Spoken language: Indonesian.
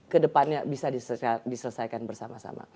kedepannya bisa diselesaikan bersama sama